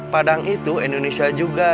padang itu indonesia juga